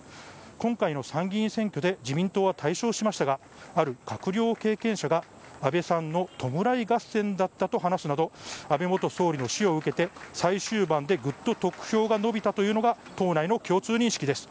今回の参議院選挙で自民党は大勝しましたがある閣僚経験者が安倍さんの弔い合戦だったと話すなど安倍元総理の死を受けて最終盤でぐっと得票が伸びたというのが党内の共通認識です。